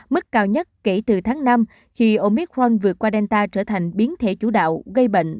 mức cao nhất kể từ tháng năm khi omicron vượt qua delta trở thành biến thể chủ đạo gây bệnh